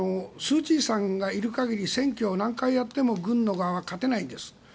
スー・チーさんがいる限り選挙を何回やっても軍の側は勝てないんです。